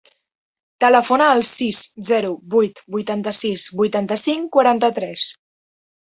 Telefona al sis, zero, vuit, vuitanta-sis, vuitanta-cinc, quaranta-tres.